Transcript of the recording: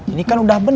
ini kan udah bener